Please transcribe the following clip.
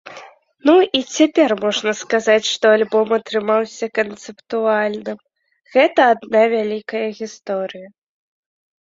Ну, і цяпер можна сказаць, што альбом атрымаўся канцэптуальным, гэта адна вялікая гісторыя.